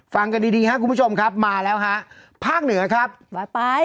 ฟังกันดีดีครับคุณผู้ชมครับมาแล้วฮะภาคเหนือครับบ่ายไป